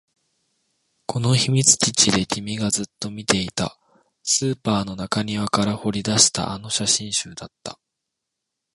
この秘密基地で君がずっと見ていた、スーパーの中庭から掘り出したあの写真集だった